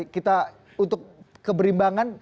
kita untuk keberimbangan